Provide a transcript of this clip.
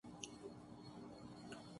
یہ تب ہی ممکن ہو گا۔